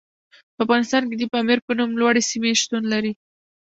په افغانستان کې د پامیر په نوم لوړې سیمې شتون لري.